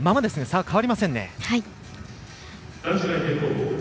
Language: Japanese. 差は変わりません。